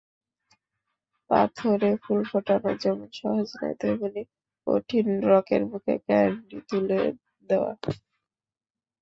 পাথরে ফুল ফোটানো যেমন সহজ নয়, তেমনই কঠিন রকের মুখে ক্যান্ডি তুলে দেওয়া।